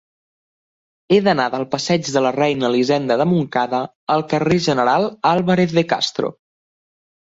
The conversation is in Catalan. He d'anar del passeig de la Reina Elisenda de Montcada al carrer del General Álvarez de Castro.